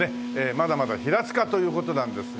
まだまだ平塚という事なんですが。